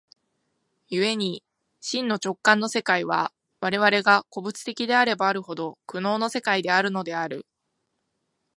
故に真の直観の世界は、我々が個物的であればあるほど、苦悩の世界であるのである。